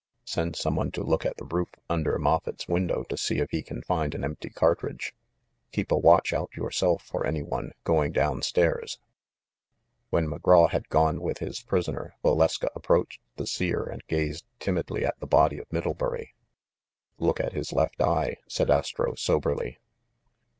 Send some one to look at the roof under Moffett's window to see if he can find an empty cartridge. Keep a watch out yourself for any one going down stairs." When McGraw had gone with his prisoner, Valeska approached the Seer and gazed timidly at the body of Middlebury. "Look at his left eye," said Astro soberly.